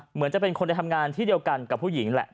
เหมือนจะเป็นคนในทำงานที่เดียวกันกับผู้หญิงแหละ